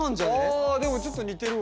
ああでもちょっと似てるわ。